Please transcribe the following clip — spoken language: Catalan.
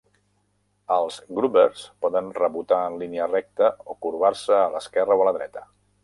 Els "grubbers" poden rebotar en línia recta o corbar-se a l'esquerra o a la dreta.